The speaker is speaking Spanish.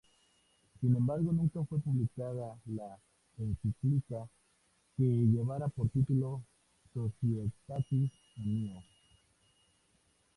Sin embargo nunca fue publicada la encíclica que llevaría por título "Societatis Unio".